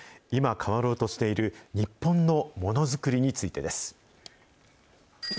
今、変わろうとしている日本のものづくりについてです。